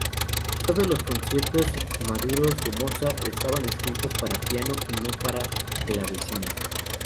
Todo los conciertos maduros de Mozart estaban escritos para piano y no para clavecín.